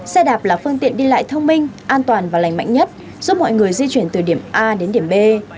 xe đạp là phương tiện đi lại thông minh an toàn và lành mạnh nhất giúp mọi người di chuyển từ điểm a đến điểm b